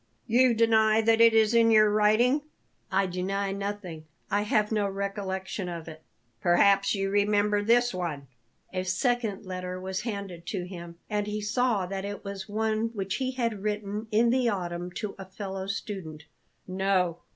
"You deny that it is in your writing?" "I deny nothing. I have no recollection of it." "Perhaps you remember this one?" A second letter was handed to him, and he saw that it was one which he had written in the autumn to a fellow student. "No."